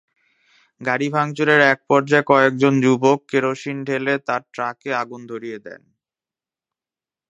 গাড়ি ভাঙচুরের একপর্যায়ে কয়েকজন যুবক কেরোসিন ঢেলে তাঁর ট্রাকে আগুন ধরিয়ে দেন।